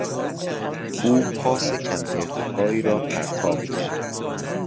او پاس کم ارتفاعی را پرتاب کرد.